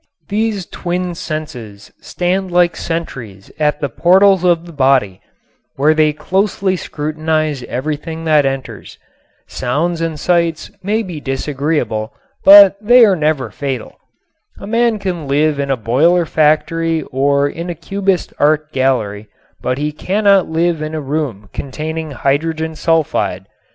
These twin senses stand like sentries at the portals of the body, where they closely scrutinize everything that enters. Sounds and sights may be disagreeable, but they are never fatal. A man can live in a boiler factory or in a cubist art gallery, but he cannot live in a room containing hydrogen sulfide.